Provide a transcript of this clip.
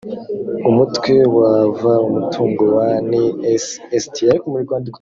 umutwe wa v: umutungo wa ncst